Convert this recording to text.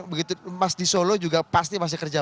begitu emas di solo juga pasti masih kerja